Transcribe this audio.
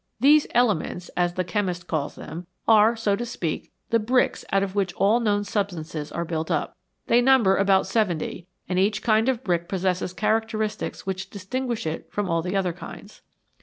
These elements, as the chemist calls them, are, so to speak, the bricks out of which all known substances are built up. They number about seventy, and each kind of brick possesses characteristics which distinguish it from all the other kinds.